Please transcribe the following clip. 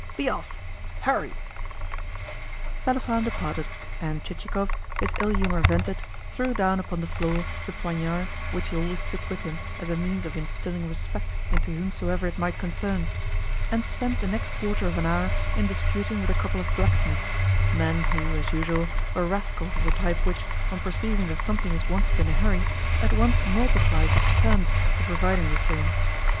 Be off! Hurry!" Selifan departed, and Chichikov, his ill humour vented, threw down upon the floor the poignard which he always took with him as a means of instilling respect into whomsoever it might concern, and spent the next quarter of an hour in disputing with a couple of blacksmiths men who, as usual, were rascals of the type which, on perceiving that something is wanted in a hurry, at once multiplies its terms for providing the same.